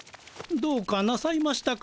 どうかなさいましたか？